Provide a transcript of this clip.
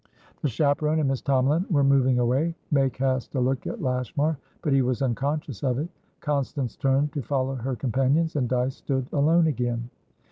The chaperon and Miss Tomalin were moving away; May cast a look at Lashmar, but he was unconscious of it. Constance turned to follow her companions, and Dyce stood alone again.